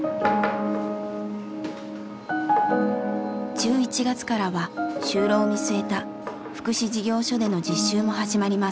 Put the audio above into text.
１１月からは就労を見据えた福祉事業所での実習も始まります。